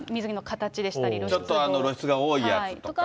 ちょっと露出が多いやつとか。